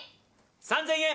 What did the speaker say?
３０００円！